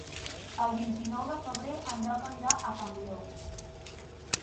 El vint-i-nou de febrer en Roc anirà a Campllong.